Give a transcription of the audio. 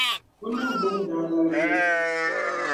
O ningbung daa laligiya.